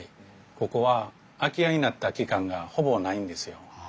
ここは空き家になった期間がほぼないんですよ。